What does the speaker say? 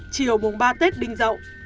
chiều mùng ba tết đinh dậu